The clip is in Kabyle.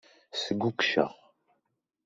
Sgugceɣ.